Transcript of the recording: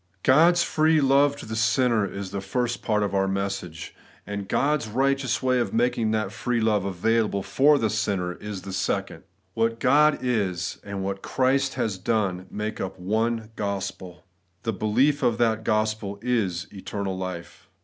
God's free love to the sinner is the first part of our message ; and God's righteous my of making that free love available for the sinner is the second. What God is, and what Christ has done, make up one gospel. The belief of that gospel is eternal life.